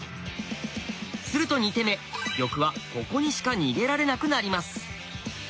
すると２手目玉はここにしか逃げられなくなります。